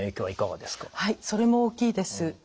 はいそれも大きいです。